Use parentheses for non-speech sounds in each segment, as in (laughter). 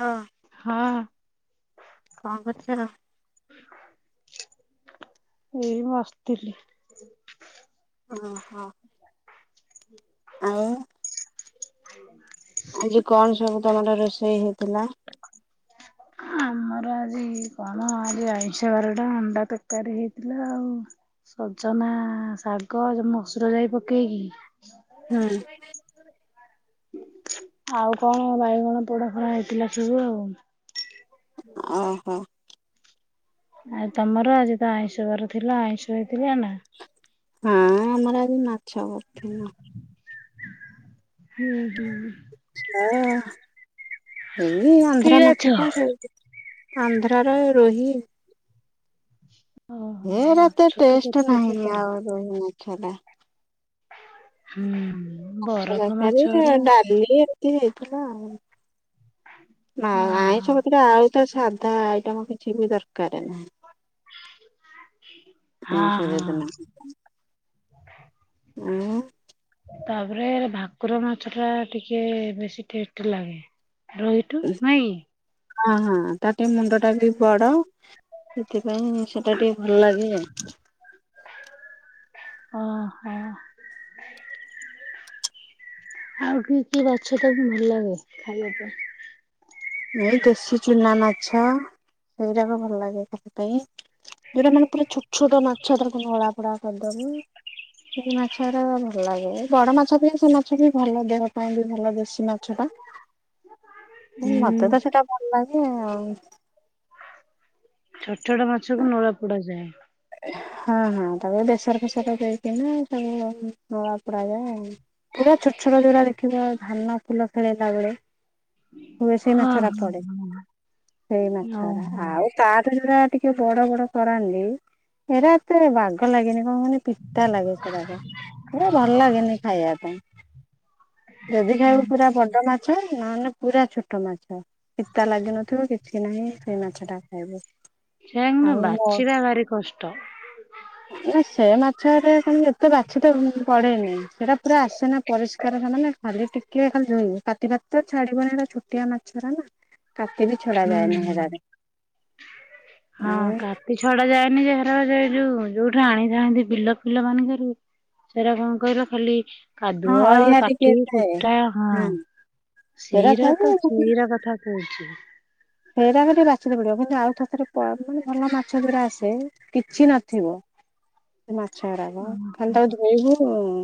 ହଁ। ହଁ। କଣ କରୁଚ? ଏଇ ବସଥିଲି। ଓହୋ। ହୁଁ ଆଉ ହ ଆଜି କଣ ସବୁ ତମର ରୋଷେଇ ହେଇଥିଲା? ଆମର ଆଜି କଣ ଆଜି ଆଇଷ ବାର ଟା ଅଣ୍ଡା ତରକାରୀ ହେଇଥିଲା। ଆଉ ସଜନା ଶାଗ ଏ ଯୋଉ ମସୁର ଯାଇ ପକେଇକି ହା ଆଉ କଣ ବାଇଗଣ ପୋଡା ଫୋଡା ହେଇଥିଲା ସବୁ ଆଉ। ହୁ ଓହୋ। ଆଉ ତମର ଆଜି ତ ଆଇଁଷ ବାର ଥିଲା ଆଇଁଷ ହେଇଥିଲା ନା? ହଁ ଆମର ଆଜି ମାଛ କରିଥିନୁ। ହୁଁ ହୁଁ। ହ ଏଇ ଫ୍ରି ଆନ୍ଧ୍ର ଅଛ? ମାଛ ତ ସେମତି ଆନ୍ଧ୍ରାର ରୋହି। ଓ ହୋ ହେରା ଏତେ ମାଛ ତ ଟେଷ୍ଟ କେତ ନାହିଁ ପ୍ରକାର। ଆଉ ରୋହି ମାଛଟା ହୁଁ ମାଛ ବରଫ ମାଛ ତରକାରୀ ଆଉ ଗୁରା ଡାଲି ଏତି ହେଇଥିଲା ଆଉ, ନା ହଁ ଆଇଷ ଆଉ ତ ସାଧା ଆଇଟମ କିଛି ବି ଦରକାର ନାହିଁ। ହଁ ଆଇଁଷ ହଁ ହଁ। ଯୋଉଦିନ (unintelligible) ଆଉ (inaudible) ତାପରେ ଭାକୁର ମାଛ ଟା ଟିକେ ବେଶୀ ଟେଷ୍ଟ ଲାଗେ, ରୋହୀ ଠୁ ନାଇଁ କି? ହଁ ହଁ ତାର ଟିକେ ମୁଣ୍ଡ ଟା ବି ବଡ ସେଥିପାଇଁ ସେଟା ଟିକେ ଭଲ ଲାଗେ ଆଉ। ଓ ହୋ। ଆଉ କି କି ମାଛ ତମକୁ ଭଲ ଲାଗେ ଖାଇବା ପାଇଁ? ଏଇ ଦେଶୀ ଚୁନା ମାଛ ସେଇରାକ ଭଲ ଲାଗେ ଖାଇବା ପାଇଁ। ଯୋଉଟା ମାନେ ପୁରା ଛୋଟ ଛୋଟ ମାଛ ତାକୁ ନୋଳା ପୋଡ଼ା କରିଦବ। ସେଇ ମାଛ ଗୁରା ଭଲ ଲାଗେ ବଡ ମାଛ ଅପେକ୍ଷା ସେ ମାଛ ବି ଭଲ ଦେହ ପାଇଁ ବି ଭଲ ଦେଶୀ ମାଛ ଟା। ଉଁ ହୁଁ ମତେ ତ ସେଇଟା ଭଲ ଲାଗେ ଆଉ। ଛୋଟ ଛୋଟ ମାଛ କୁ ନୋଳା ପୋଡା ଯାଏ। ହଁ ହଁ ତାକୁ ବେସର ଫେସର ଦେଇକିନା ସବୁ ନୋଳା ପୋଡା ଯାଏ ଆଉ। ପୁରା ଛୋଟ ଛୋଟ ଯୋଉଗୁରା ଦେଖିବ ଧାନ ଫୁଲ ଖେଳେଇଲା ବେଳେ। ହୁଏ ସେଇ ହଁ ମାଛ ଟା ହଁ ପଡେ ସେଇ ହଁ ମାଛଉରା। ଓହୋ। ଆଉ ତା ଠୁ ଯଉ ଗୁରା ଟିକେ ବଡ ବଡ କରାଣ୍ଡି ହେଇରା ଏତେ ବାଗ ଲାଗେନି କଣ କୁହନି ପିତା ଲାଗେ ସେରାକ। ହେ ଭଲ ଲାଗେନି ଖାଇବା ପାଇଁ ଯଦି ଖାଇବ ପୁରା ବଡ ମା ଛ ନହନେ ପୁରା ଛୋଟ ମାଛ ପିତା ଲାଗିିନଥିବ କି କିଛି ନାହିଁ ସେଇ ମାଛଟା ଖାଇବୁ ସେୟା କିନ୍ତୁ ଆଉ ମୋ ବାଛିବା ଭାରି କଷ୍ ତ ନା ସେ ମାଛରେ କଣ ଏତେ ବାଛି ତ ପଡେନି ସେଟା ପୁରା ଆସେନା ପରିଷ୍କାର ସମା ନେ ଖାଲି ଟିକେ ଖାଲି ଧୋଇବ କାତି ଫାତି ତ ଛାଡିବନି ଏଇଟା ଛୋଟିଆ ମାଛର ନା। କାତି ବି ଛଡ଼ାଯାଏ ନାହିଁ ହୁଁ। ହେରାରେ ହଁ ଆଉ। କାତି ଛଡା ଯାଏନି ଯାହାର ରେ ଯୋଉ ଯୋଉଠୁ ଆଣିଥାନ୍ତି ବିଲ ଫିଲ ମାନଙ୍କରୁ। ସେରା କଣ କହିଲ ଖାଲି ହଁ କାଦୁଅ ଅଳିଆ ଟିକେ କାଠି ଥାଏ କୁଟା ହଁ। ସେରା ସେଇରା ଖାଇବ ତ ସେଇରା କଥା କହୁଛି। ସେଇରା ଖାଲି ବାଛିତେ ପଡିବ କିନ୍ତୁ ଆଉ ଥରେ ଥରେ ପା ମାନେ ଭଲ ମାଛ ଧରା ଆସ ସେ କିଛି ନଥିବ ସେ ମାଛ ଗରାକ ଖାଲି ଓହୋ, ତାକୁ ନେଇଯିବା ହଉ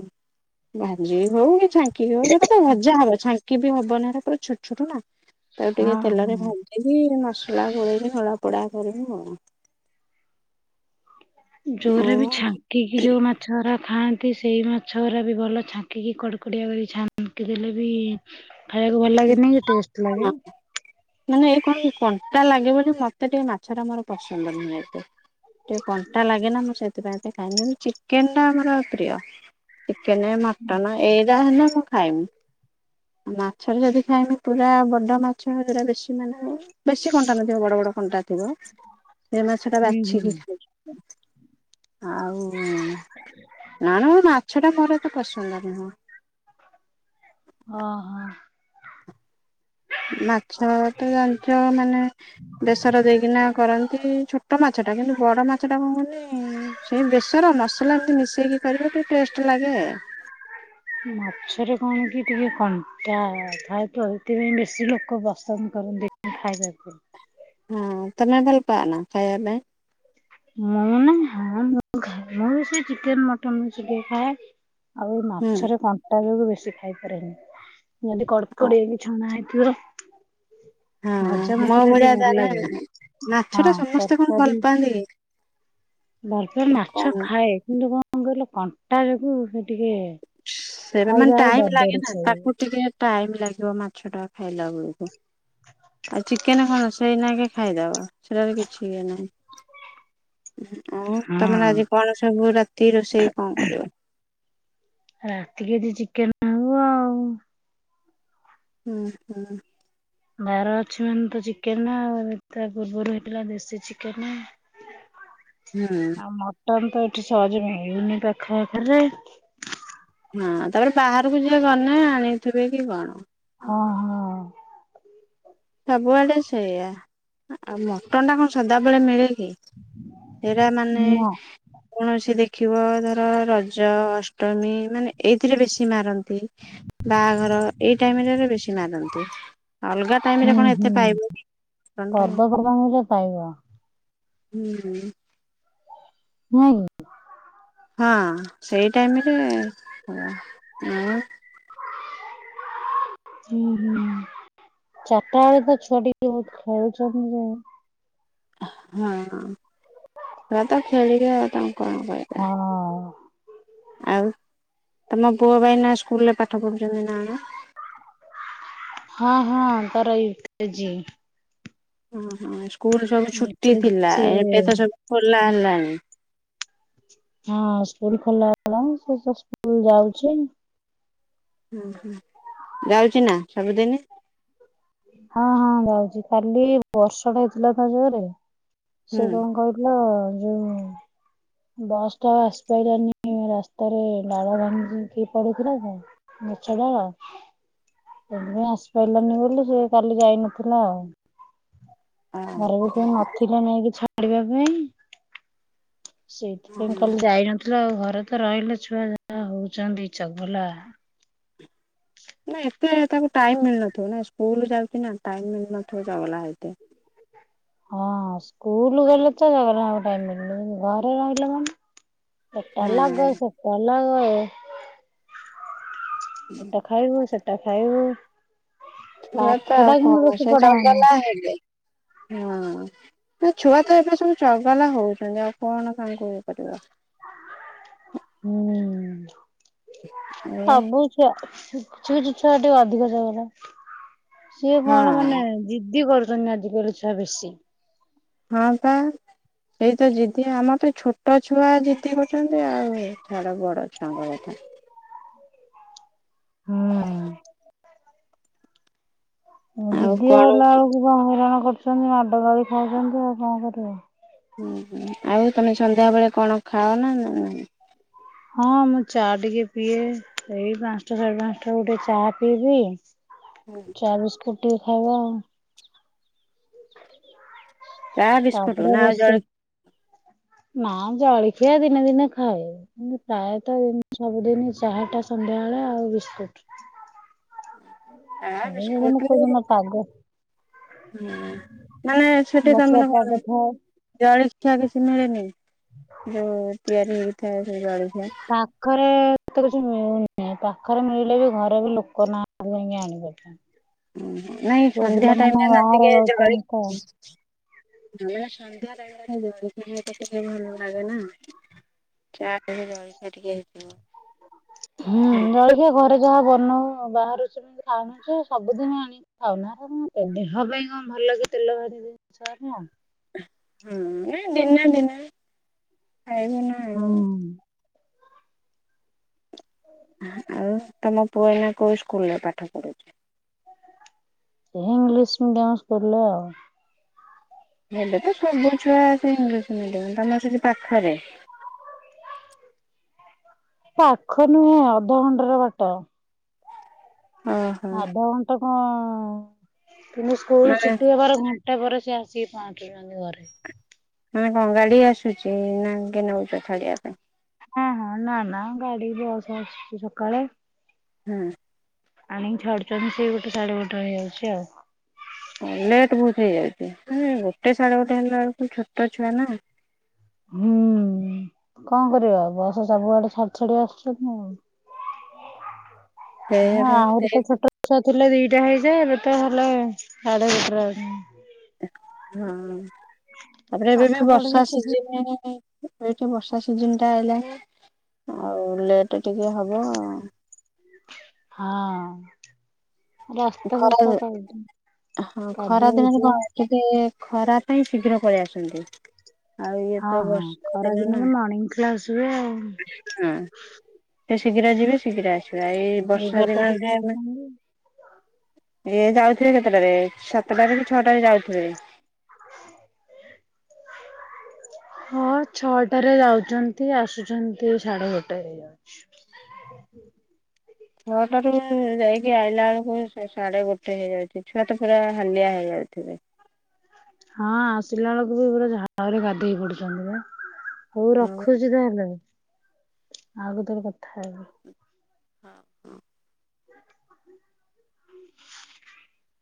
ଭାଜି ହଉ କି ଛାଙ୍କି ହୋଉ ସେଟା ତ ଭଜା ହବ ଛାଙ୍କ କି ବି ହବନା ହେରା ପୁରା ଛୋଟ ଛୋଟ ନା ତାକୁ ହଁ ଟିକେ ତେଲରେ ହଁ। ଭାଜିକି ମସଲା ସେଇ ଗୁଡ଼ା ନଳ ପୋଡା କରିବୁ ଆଉ। ଜୋରେ ଆଉ ବି ଛା କି ଯୋଉ ମାଛଗୁରା ଖାଆନ୍ତି ସେଇ ମାଛ ଗୁରା ବି ଭଲ ଛାଙ୍କିକି କଡ଼କଡିଆ କରି ଛା ଦେଲେ ବି ଖାଇବାକୁ ଭଲ ଲାଗେନି ଟେଷ୍ଟ ହଁ ଲାଗେ। ମାନେ ଏଇ କଣ କଣ୍ଟା ଲାଗେ ବୋଲି ମତେ ଟିକେ ମାଛ ଟା ମୋର ପସନ୍ଦ ନୁହେଁ ଏତେ। ଟିକେ କଣ୍ଟା ଲାଗେ ନା ମୁଁ ସେଥିପାଇଁ ଏତେ ଖାଏନି କିନ୍ତୁ ଚିକେନ ଟା ମୋର ପ୍ରିୟ। ଚିକେନ ମଟନ ଏଇରା ହେନେ ମୁଁ ଖାଇମି ମା ସବୁ ଯଦି ଖାଇମି ପୁରା ବଡ଼ ମାଛ ଯୌରା ବେଶୀ ମାନେ ବେଶୀ କଣ୍ଟା ନଥିବ ବଡ ବଡ କଣ୍ଟା ଥିବ ସେ ମାଛ ଟା ହୁଁ ହୁଁ। ବାଛିିକି ଆଉ ନା ନା ମାଛ ଟା ମୋର ମତେ ପସନ୍ଦ ନୁହ। ଓହୋ। ମାଛ ତ ଜାଣିଥିବ ମାନେ ବେସର ଦେଇକିନା କରନ୍ତି ଛୋଟ ମାଛଟା କିନ୍ତୁ ବଡ଼ ମାଛଟା କଣ କୁହନି ସେଇ ବେସର ମସଲା ଏମିତି ମିଶେଇକି କରିବ ଟିକେ ଟେଷ୍ଟ ଲାଗେ। ମାଛରେ କଣ କି ଟିକେ କଣ୍ଟା ଥାଏତ ଏଥିପାଇଁ ବେଶୀ ଲୋକ ପସନ୍ଦ କରନ୍ତି ଖାଇ ସାରିଛି। ହଁ ତମେ ଭଲ ପାଅ ନା ଖାଇବା ପାଇଁ? ମୁଁ ନା ହଁ ମୁଁ ଖାଏ ମୁଁ ବି ସେଇ ଚିକେ ମଟନ ବେଶି ଟିକେ ଖାଏ। ଆଉ ଏଇ ହୁଁ ମାଛରେ କଣ୍ଟା ଯୋଗୁ ବେଶୀ ଖାଇପାରେନି। ମାନେ କଡକଡି ହେଇକି ଛଣା ହେଇଥିବ। ହଁ ଭଜା ମାଛ ମୋ ଗୁରା ଭଳିଆ ଟିକେ ଭଲ ତାହେଲେ ଲାଗେ ମାଛ ହଁ ଟା ସମସ୍ତେ କଣ ଭଲ ତରକାରୀ ପାଆନ୍ତି ଭଲ ପାଏ କି? ମାଛ କଣ ଖାଏ କିନ୍ତୁ କଣ କହିଲ କଣ୍ଟା ଯୋଗୁ ସେ ଟିକେ ସେରେ ମାନେ ଖାଇଲା ବେଳେ ଟାଇମ ଲାଗେ ଡରି ଡରି ନା ଖାଇବ। ତାକୁ ଟିକେ ଟାଇମ ଲାଗିବ ମାଛ ଟା ଖାଇଲା ବେଳକୁ ଆଉ ଚିକେନ କଣ ସେଇନା କେ ଖାଇଦବା ସେଟାରେ କିଛି ଇଏ ନାହିଁ। ଆଉ ହଁ ତମର ଆଜି କଣ ସବୁ ରାତି ରୋଷେଇ କଣ କରିବ? ରାତିକି ଆଜି ଚିକେନ୍। ହୁଁ, ହୁଁ।। ବାହାଘର ଅଛି ମାନେ ତ ଚିକେନ ଆଉ ତା ପୂର୍ବରୁ ହେଇଥିଲା ଦେଶୀ ଚିକେନ। ହୁଁ। ମଟନ୍ ତ ଏଠି ସହଯେ ମିଳୁନି ପାଖ ଆଖରେ।। ହଁ, ତାପରେ ବାହାରକୁ ଯିଏ ଗନେ ଆଣିଥିବେ କି କଣ। ହଁ, ହଁ। ସବୁଆଡେ ସେଇଆା ଆଉ ମଟନ ଟା କଣ ସଦାବେଳେ ମିଳେ କି? ହେରା ମାନେ ନା କୌଣସି ଦେଖିବ ଧର ରଜ ଅଷ୍ଟମୀ ମାନେ ଏଇଥିରେ ବେଶୀ ମାରନ୍ତି। ବାହାଘର ଏଇ ଟାଇମ୍ ରେ ବେଶୀ ମାରନ୍ତି। ସବୁ ଟାଇମ୍ ରେ ହୁଁ କଣ ଏତେ ହୁଁ ପାଇବେ। ପର୍ବପର୍ବାଣିରେ ପାଇବ ହୁଁ। ନୁହଁକି? ହଁ, ସେଇ ଟାଇମ୍ ରେ ହିଁ ଆ ହୁଁ ହୁଁ ଚାରିଟା ବେଳେ ତ ଛୁଆ ଟିକେ ଖେଳୁଛନ୍ତି ଯେ। ହଁ, ତ ଖେଳିବେ ଆଉ ତାଙ୍କୁ କଣ କହିବା। ହଁ। ଆଉ ତମ ପୁଅ ପା ଏଇନା ସ୍କୁଲରେ ପାଠ ପଢ଼ୁଛନ୍ତି ନା କଣ। ହଁ, ହଁ ତାର ଇଉ କେଜି। ହଁ, ହଁ ସ୍କୁଲ ସବୁ ଛୁଟି ଥିଲା ସେ ଏବେ ତ ସବୁ ଖୋଲା ହେଲାଣି। ହଁ, ସ୍କୁଲ ଖୋଲା ହେଲା ସେ ତ ସ୍କୁଲ ଯାଉଛି। ହୁଁ, ହୁଁ ଯାଉଛି ନା ସବୁଦିନ। ହଁ, ହଁ ଯାଉଛି। କାଲି ବର୍ଷଟା ହେଇଥିଲା ତା ଜୋରେ ହୁଁ ସେ କଣ କହ ହେଲା ଯୋଉ ବସ୍ ଟା ଆଉ ଆସି ପାରିଲାନି ରାସ୍ତାରେ ଡାଳ ଭାଙ୍ଗ କି ପଡୁଥିଲା କଣ। ମିଛ ରେ ଆଉ। ସେଥିପାଇ ଆସି ପାରିଲାନି ବୋଲି ସେ କାଲି ଯାଇନଥିଲା ଆଉ। ଅ ଘର ବି କେହି ନଥିଲେ ନେଇକି ଛାଡିବା ପାଇଁ। ସେଇଥି ପାଇଁ କାଲି ଯାଇ ନଥିଲା ଆଉ ଘରେ ତ ରହିଲେ ଛୁଆ ଯାହା ହଉଛନ୍ତି ଚଗଲା। ନାଇ ଏତେ ତାକୁ ଟାଇମ୍ ମିଳୁନଥିବ ନା ସ୍କୁଲ ଯାଉଛି ନା ଟାଇମ ମିଳୁ ନଥିବ ଚଗଲା ଏତେ। ହଁ, ସ୍କୁଲ ଗଲେ ତ ଚଗଲା ହବକୁ ଟାଇମ୍ ମିଳୁନି ଘରେ ରହିଲେ ମାନେ ଏଟା ଲାଗ ହଁ ସେଟା ଲାଗ। ଏଟା ଖାଇବୁ ସେଟା ଖାଇବୁ। ପୁଅ ପାଠ ତଆଉ ଟା କିନ୍ତୁ କଣ ବେଶୀ ସେ ପଢା ହଉନି ଚଗଲା ହେବେ, ହଁ। ନା ଛୁଆ ଥ ଏବେ ସବୁ ଚଗଲା ହଉଛନ୍ତି ଆଉ କଣ କାଇଁ ଇଏ କରିବ। ହୁଁ ହୁଁ ଆଉ ସବୁ ଛୁଆ। କିଛି କିଛି ଛୁଆ ଟିକେ ଅଧିକ ଚଗଲା ସିଏ କଣ ମାନେ ହଁ ଜିଦି କରୁ ଆଜିକାଲି ଛୁଆ ବେଶୀ। ହଁ ପା। ସେଇ ତ ଜିଦି ଆମର ତ ଛୋଟ ଛୁଆ ଜିଦି କରଛନ୍ତି। ଆଉ ଛଡ ବଡ ଛୁଆଙ୍କ କଥା। ହୁଁ। ଆଉ ଜିଦିଆ କଣ ହେଲା ବେଳକୁ ବା ହଇରାଣ କରୁଛନ୍ତି ମାଡ ଗାଳି ଖାଉଛନ୍ତି ଆଉ କଣ କରିବ। ହୁଁ, ଆଉ ତମେ ସନ୍ଧ୍ୟା ବେଳେ କଣ ଖାଅ ନା ନାହିଁ। ହଁ, ମୁଁ ଚା ଟିକେ ପିଏ ଏଇ ପାଞ୍ଚଟା ସାଢ଼େ ପାଞ୍ଚଟା ବେଳୁ କୁ ଟିକେ ଚା ପିଇବି। ହୁଁ। ଚା, ବିସ୍କୁଟ ଟିକେ ଖାଇବ ଆଉ। ଚା ବିସ୍କୁଟୁ ତାପରେ ନା ଆଉ ରୋଷେଇ ଜଳି ନା ଜଳୀ ଖିଆଦିନେ ଦିନେ ଖାଏ। ପ୍ରାୟତଃ ସବୁଦିନ ଚାହା ଟା ସନ୍ଧ୍ୟାବେଳେ ଆଉ ବିସ୍କୁଟ। ଚାହା ବିସ୍କୁଟ୍। କୋଉଦିନ ପାଗ ହୁଁ ମାନେ ସେଠି ଗଛୁଆ କଣ ପାଗ ଥାଏ ଜାଣିଛି। ମିଠା କିଛି ମିଳେନି ଯୋଉ ତିଆରି ହେଇଥାଏ ସେଇ ଜଳଖିଆ। ପାଖରେ ତ କିଛି ମିଳୁନି ପାଖରେ ମିଳିଲେ ବି ଘରେ ବି ଲୋକ ନାଁ ଯାଇକି ଆଣିବାକୁ। (inaudible) ଓ ନାଇଁ ସନ୍ଧ୍ୟା ଟାଇମରେ ନ ଟିକେ ଜଳି ରହୁଛନ୍ତି ତ ସନ୍ଧ୍ୟା ଟାଇମ୍ ଜଳଖି ଭଲ ଲାଗେ ନା। ଚା ଟିକେ ଜଳିଖିଆ ଟିକେ ହେଇ ଥିବ। ହୁଁ ଜଳଖିଆ ଘରେ ଯାହା ବନଉ ବାହାରୁ ସବୁ ଖାଉଛୁ ସବୁଦିନ ଆଣି ଖାଉ ନା ଦେହ ପାଇଁ କଣ ଭଲ କି ତେଲ ଭାରି ଦି ଶୋଇନ? ହୁଁ ଏ ଦିନେ ଦିନେ ଖାଇବୁ ନା। ହୁଁ ହୁଁ ହୁଁ। (unintelligible) ଆଉ ତମ ପୁଅ ଏଇନା କୋଉ ସ୍କୁଲରେ ପାଠ ପଢୁଚି? ଏ ଇଂଲିଶ ମିଡିୟମ ସ୍କୁଲ୍ ରେ ଆଉ ଏବେ ତ ସବୁ ଛୁଆ ସେ ଇଂଲିଶ ମିଡିୟମ ତମର ସେଠି ପାଖରେ ପାଖ ନୁହେଁ ଅଧଘଣ୍ଟେ ର ବାଟ। ଓହୋ ଅଧଘଣ୍ଟେ କଅ କିନ୍ତୁ ସ୍କୁଲ ମାନେ ଛୁଟି ହେବାର ଘଣ୍ ଘଣ୍ଟେ ପରେ ସେ ଆସିକି ପାଞ୍ଚୁଛନ୍ତି ଘରେ। ମାନେ କଣ ଗାଡି ଆସୁଚି ନା କିଏ ନଉଛ ଛାଡିବା ପାଇଁ। ହଁ ହଁ ନା ନା ଗାଡି ଯାଉଚି ଆଉଚି ସକାଳେ। ହୁଁ। ଆଣିକି ଛାଢୁଛନ୍ତି ସେଇ ଗୋଟେ ସାଢେ ଗୋଟେ ହେଇଯାଉଚି ଆଉ ଲେଟ୍ ବହୁତ ହେଇଯାଉଛି ଗୋଟେ ସାଢ଼େ ଗୋଟେ ହେଲା ବେଳକୁ ଛୋଟ ଛୁଆ ନା ହୁଁ କଅଁ କରିବା ବସ ସବୁଆଡେ ଛାଡି ଛାଡି ଆସୁଚି। ସେଇଆ ହଁ ବା ଆହୁରି ସେଇ ତ ଛୋଟ ଛୁଆଥିଲେ ଦିଟା ହେଇଯାଏ ଏବେ ତ ହେଲେ ସାଡେ ଗୋଟେରେ ଆଉଚ଼ନ୍ତି। ହଁ ତାପରେ ଏବେ ପାଠ ବି ପଢିଲେ ବର୍ଷା ତ ସିଜିନି ଥାଉ ଏଇଠି ବର୍ଷା ସିଜିନ୍ ଟା ହେଲା ଆଉ ଲେଟେ ଟିକେ ହବ। ହଁ। ରାସ୍ତା ଖରା ବସ୍ତା କ କଦୁଅ ହେଇଥିବ। କେବେ ଖରା ପାଇଁ ଶୀଘ୍ର ପଳେଇ ଆସନ୍ତି। ଆଉ ଇଏ ହଁ ତ ହଁ ବର୍ଷା ଖରା ଦିନ ନା ଦିନରେ ମର୍ଣ୍ଣିଂ କ୍ଲାସ୍ ହୁଏ ଆଉ। ହୁଁ। ଶୀଘ୍ର ଯିବେ ଶୀଘ୍ର ଆସିବେ ଏଇ ବର୍ଷା ଏଗାରଟା ସୁଦ୍ଧା ଦିନରେ ଆସନ୍ତି। ଇଏ ଯାଉଥିବେ କେତେଟାରେ ସାତଟାରେ କି ଛଅଟାରେ ଯାଉଥିବେ ହଁ ଛଅଟାରେ ଯାଉଚନ୍ତି ଆସୁଚ଼ନ୍ତି ସାଢେ ଗୋଟେ ରେ। ଛଅଟାରୁ ଯାଇକି ଆଇଲା ବେଳକୁ ସାଡେ ଗୋଟେ ହେଇଯାଉଚି ଛୁଆ ତ ପୁରା ହାଲିଆ ହେଇ ଯାଉଥିବେ। ହଁ ଆସିଲା ବେଳକୁ ବି ପୁରା ଝାଳ ରେ ଗାଧୋଇ ପଡୁଚନ୍ତି ବା। ହଉ ଆଉ ରଖୁଚି ତା ହେଲେ ଆଉ କେତଳେ କଥା ହେବି। ହଁ, ଅଁ (unintelligible)